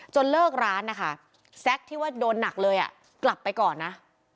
เลิกร้านนะคะแซ็กที่ว่าโดนหนักเลยกลับไปก่อนนะ